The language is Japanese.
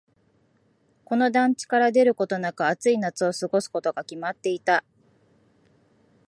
この団地から出ることなく、暑い夏を過ごすことが決まっていた。